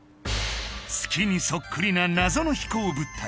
月にそっくりな謎の飛行物体